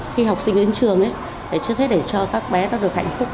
khi học sinh đến trường trước hết để cho các bé nó được hạnh phúc